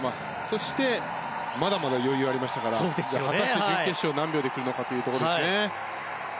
そしてまだまだ余裕がありましたから果たして準決勝、何秒でくるのかというところですね。